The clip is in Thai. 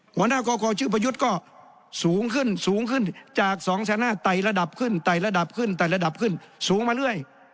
หัวหน้ากรคอชื่อประยุทธ์ก็สูงขึ้นสูงขึ้นจาก๒แสนหน้าไต่ระดับขึ้นไต่ระดับขึ้นไต่ระดับขึ้นสูงมาเรื่อย